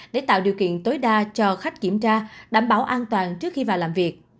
để tạo điều kiện tối đa cho khách kiểm tra đảm bảo an toàn trước khi vào làm việc